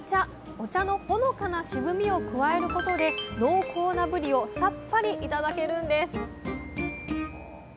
お茶のほのかな渋みを加えることで濃厚なぶりをサッパリ頂けるんです